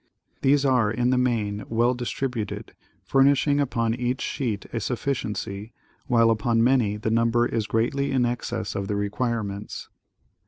These are in the main well distributed, fur nishing upon each sheet a sufficiency, while upon many the num ber is greatly in excess of the requirements.